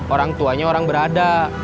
orang tuanya orang berada